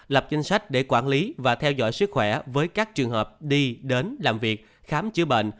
lập chính sách để quản lý và theo dõi sức khỏe với các trường hợp đi đến làm việc khám chữa bệnh